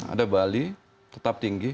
ada bali tetap tinggi